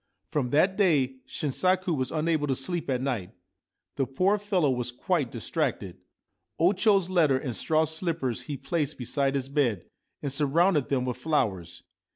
From that day Shinsaku was unable to sleep at night. The poor fellow was quite distracted. O Cho's letter and straw slippers he placed beside his bed and surrounded them with flowers.